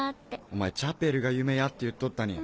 お前チャペルが夢やって言っとったに。